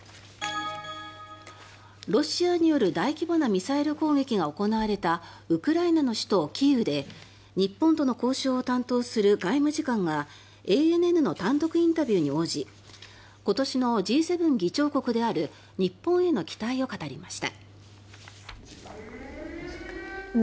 ロシアによる大規模なミサイル攻撃が行われたウクライナの首都キーウで日本との交渉を担当する外務次官がＡＮＮの単独インタビューに応じ今年のＧ７議長国である日本への期待を語りました。